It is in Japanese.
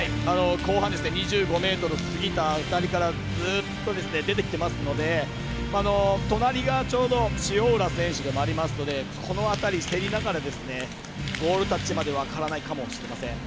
後半２５ｍ過ぎた辺りからずっと出てきてますので隣が、ちょうど塩浦選手でもありますのでこの辺り、競りながらゴールタッチまで分からないかもしれません。